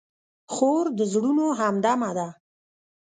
خور د زړونو همدمه ده.